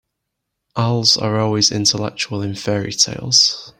Owls are always intellectual in fairy-tales.